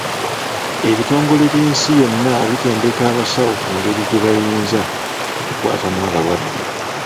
Ebitongole by'ensi yonna bitendeka abasawo ku ngeri gye bayinza okukwatamu abalwadde.